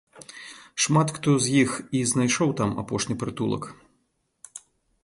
Шмат хто з іх і знайшоў там апошні прытулак.